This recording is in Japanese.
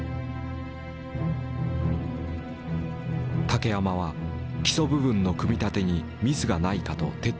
竹山は基礎部分の組み立てにミスがないかと徹底的に調べた。